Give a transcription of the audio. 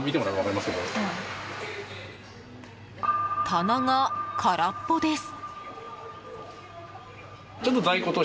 棚が空っぽです。